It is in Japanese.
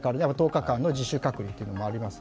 １０日間の自主隔離というのもあります。